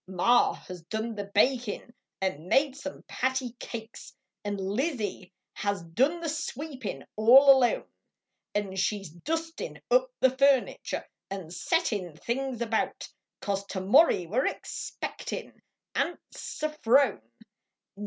Ma has done the bakin , nd made some patty cakes, Xd Lizzie has done the sweepin all alone ; An she s dustin up the furniture Xd settin things about, Cause tomorry we re expectin Aunt Se phrone.